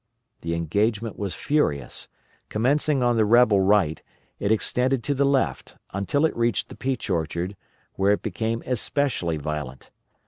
The engagement was furious; commencing on the rebel right, it extended to the left, until it reached the Peach Orchard, where it became especially violent.